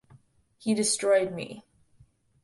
He destroyed me.